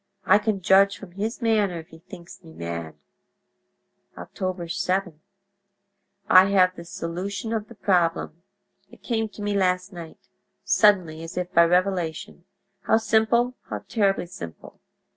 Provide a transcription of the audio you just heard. I can judge from his manner if he thinks me mad. "Oct. 7.—I have the solution of the problem; it came to me last night—suddenly, as by revelation. How simple—how terribly simple!